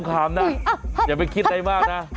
ถามนะอย่าไปคิดอะไรมากนะ